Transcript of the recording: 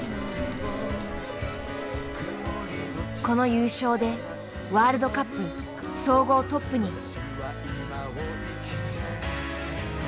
この優勝でワールドカップ総合トップに。